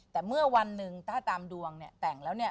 แต่เมื่อวันหนึ่งถ้าตามดวงเนี่ยแต่งแล้วเนี่ย